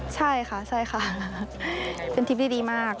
ใช่ค่ะเป็นทิพย์ดีมาก